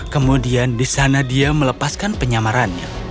kemudian di sana dia melepaskan penyamarannya